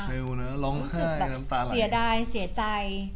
เซลเนอะร้องไห้น้ำตาไหล